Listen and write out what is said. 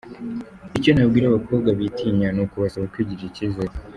Icyo nabwira abakobwa bitinya ni ukubasaba kwigirira icyizere.